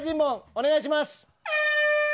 お願いします。